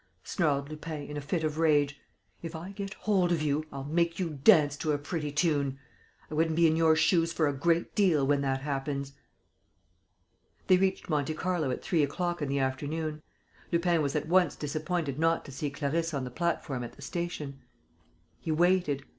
snarled Lupin, in a fit of rage. "If I get hold of you, I'll make you dance to a pretty tune! I wouldn't be in your shoes for a great deal, when that happens." They reached Monte Carlo at three o'clock in the afternoon. Lupin was at once disappointed not to see Clarisse on the platform at the station. He waited.